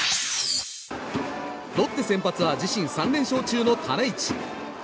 ロッテ先発は自身３連勝中の種市。